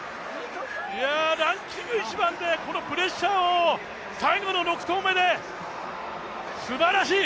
ランキング１番で、このプレッシャーを、最後の６投目で、すばらしい！